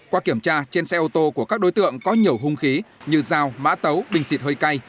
qua kiểm tra trên xe ô tô của các đối tượng có nhiều hung khí như dao mã tấu bình xịt hơi cay